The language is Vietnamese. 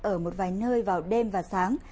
ở một vài nơi vào đêm và sáng